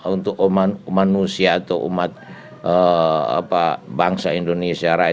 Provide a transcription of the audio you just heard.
untuk manusia atau umat bangsa indonesia